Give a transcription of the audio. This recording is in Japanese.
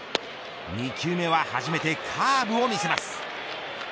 ２球目は初めてカーブを見せます。